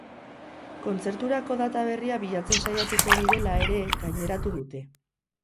Kontzerturako data berria bilatzen saiatuko direla ere gaineratu dute.